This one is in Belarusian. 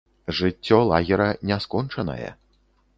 Жыццё лагера не скончанае.